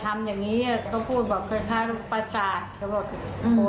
ถ้าเป็นจิตก็จะอยู่บ้านทุกวันได้ไง